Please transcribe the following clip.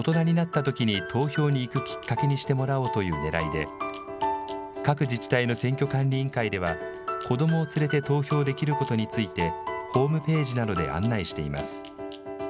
大人になったときに投票に行くきっかけにしてもらおうというねらいで、各自治体の選挙管理委員会では、子どもを連れて投票できることについて、ホームページなどで案内しています。